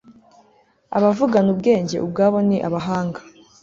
abavugana ubwenge, ubwabo ni abahanga